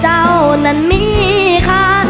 เจ้านั้นมีค่ะ